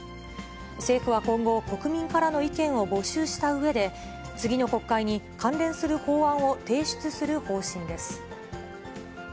政府は今後、国民からの意見を募集したうえで、次の国会に関連する法案を提出する方針です。